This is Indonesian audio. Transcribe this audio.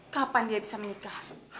kapan dia bisa menikah